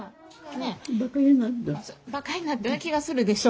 バカになったような気がするでしょ？